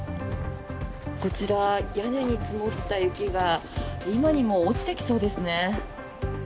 こちら、屋根に積もった雪が今にも落ちてきそうですね。